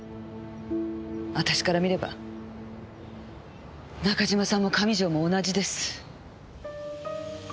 私から見れば中島さんも上条も同じです。